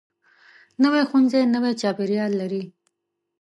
نوی ښوونځی نوی چاپیریال لري